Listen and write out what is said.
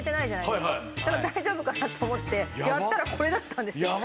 だから大丈夫かなと思ってやったらこれだったんですよ。